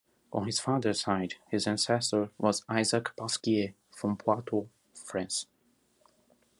On his father's side, his ancestor was Isaac Pasquier from Poitou, France.